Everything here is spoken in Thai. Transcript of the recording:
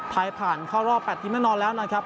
ไทยผ่านเข้ารอบ๘ทีมแน่นอนแล้วนะครับ